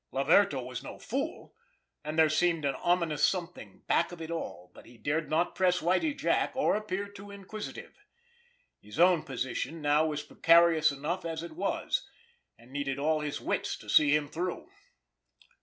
Laverto was no fool, and there seemed an ominous something back of it all, but he dared not press Whitie Jack, or appear too inquisitive. His own position now was precarious enough as it was, and needed all his wits to see him through.